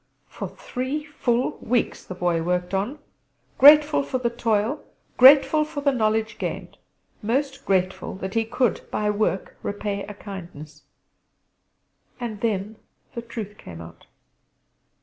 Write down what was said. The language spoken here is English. For three full weeks the Boy worked on; grateful for the toil; grateful for the knowledge gained; most grateful that he could by work repay a kindness. And then the truth came out!